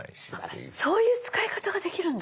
そういう使い方ができるんだ！